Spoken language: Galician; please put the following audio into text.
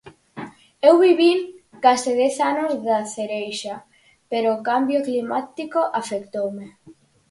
E eu vivín case dez anos da cereixa, pero o cambio climático afectoume.